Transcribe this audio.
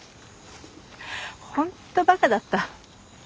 本当バカだった。